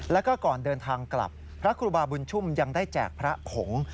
แล้วก็ก่อนเดินทางกลับพระครูบาบุญชุ่มยังได้แจกพระขง